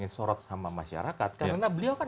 disorot sama masyarakat karena beliau kan